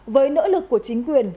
với nỗ lực của chính quyền